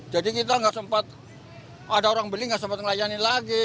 jadi kita gak sempat ada orang beli gak sempat ngelayani lagi